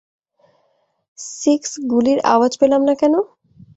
Six, গুলির আওয়াজ পেলাম না কেন?